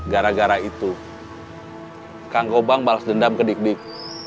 gara gara itu kang gobang balas dendam ke dik dik